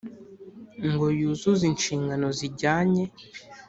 Ngo yuzuze inshingano zijyanye